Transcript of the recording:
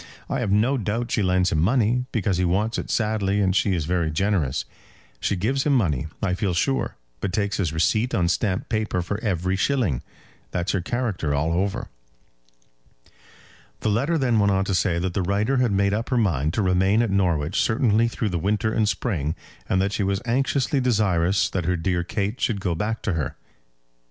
I have no doubt she lends him money, because he wants it sadly and she is very generous. She gives him money, I feel sure, but takes his receipt on stamped paper for every shilling. That's her character all over." The letter then went on to say that the writer had made up her mind to remain at Norwich certainly through the winter and spring, and that she was anxiously desirous that her dear Kate should go back to her.